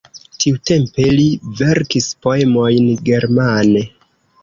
Tiutempe li verkis poemojn germane.